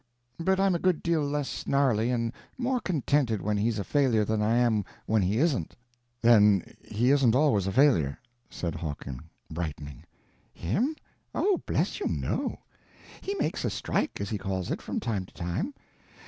But I'm a good deal less snarly and more contented when he's a failure than I am when he isn't." "Then he isn't always a failure," said Hawking, brightening. "Him? Oh, bless you, no. He makes a strike, as he calls it, from time to time.